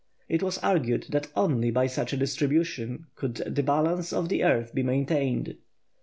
It was argued that only by such a distribution could the balance of the earth be maintained.